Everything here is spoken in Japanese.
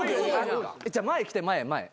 じゃあ前来て前前。